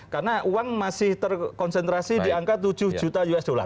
karena uang masih terkonsentrasi di angka tujuh juta usd